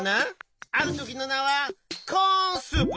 あるときのなはコーンスープ。